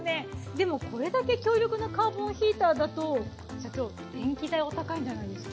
でもこれだけ強力なカーボンヒーターだと社長電気代お高いんじゃないですか？